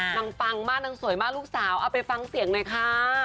ปังมากนางสวยมากลูกสาวเอาไปฟังเสียงหน่อยค่ะ